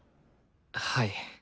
はい。